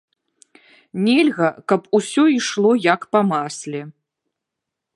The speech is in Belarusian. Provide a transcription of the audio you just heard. Нельга, каб усё ішло як па масле.